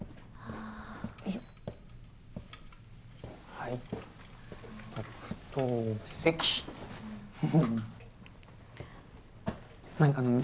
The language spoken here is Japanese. はい特等席フフッ何か飲む？